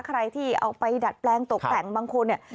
ใครที่เอาไปดัดแปลงตกแต่งบางคนเนี่ย